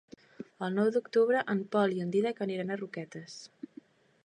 El nou d'octubre en Pol i en Dídac aniran a Roquetes.